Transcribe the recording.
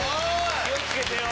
気を付けてよ。